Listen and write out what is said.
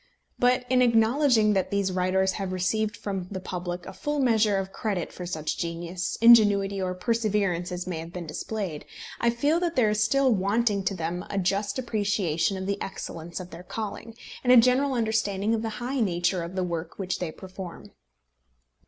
But in acknowledging that these writers have received from the public a full measure of credit for such genius, ingenuity, or perseverance as each may have displayed, I feel that there is still wanting to them a just appreciation of the excellence of their calling, and a general understanding of the high nature of the work which they perform.